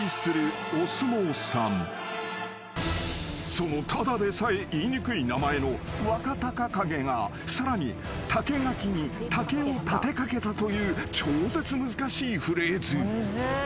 ［そのただでさえ言いにくい名前の若隆景がさらに竹垣に竹を立てかけたという超絶難しいフレーズ］